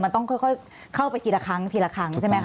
มันต้องค่อยเข้าไปทีละครั้งทีละครั้งใช่ไหมคะ